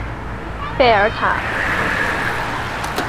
贝尔卡塔尔是德国黑森州的一个市镇。